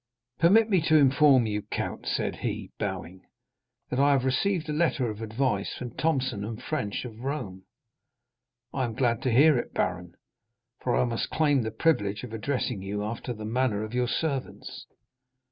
"Permit me to inform you, Count," said he, bowing, "that I have received a letter of advice from Thomson & French, of Rome." "I am glad to hear it, baron,—for I must claim the privilege of addressing you after the manner of your servants.